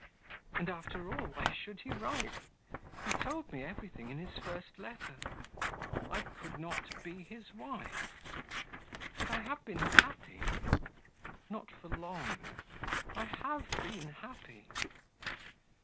'And after all, why should he write? He told me everything in his first letter. I could not be his wife; but I have been happy ... not for long ... I have been happy